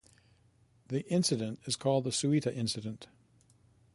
The incident is called the Suita Incident.